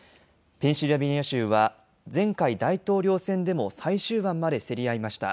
ペンシルベニア州は前回、大統領選でも最終盤まで競り合いました。